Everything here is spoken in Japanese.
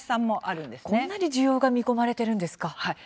こんなに需要が見込まれているんですか。